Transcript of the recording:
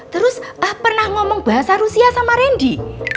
terus ah pernah ngomong bahasa rusia sama randy